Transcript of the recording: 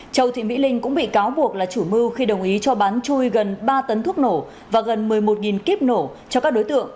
châu thị mỹ linh cũng bị cáo buộc là chủ mưu khi đồng ý cho bán chui gần ba tấn thuốc nổ và gần một mươi một kíp nổ cho các đối tượng